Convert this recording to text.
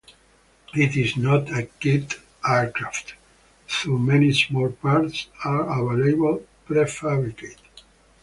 It is not a kit aircraft, though many small parts are available prefabricated.